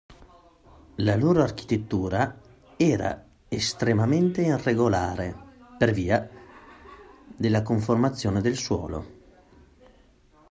La loro architettura era estremamente irregolare per via della conformazione del suolo.